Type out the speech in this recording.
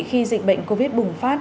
khi dịch bệnh covid bùng phát